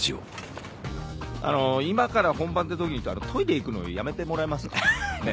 「あの今から本番ってときにトイレ行くのやめてもらえますか？ねえ」